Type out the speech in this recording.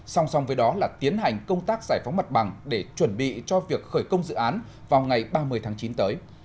song song với đó là tiến hành công tác giải phóng mặt bằng để chuẩn bị cho việc khởi công dự án vào ngày ba mươi tháng chín tới